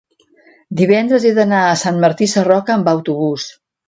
divendres he d'anar a Sant Martí Sarroca amb autobús.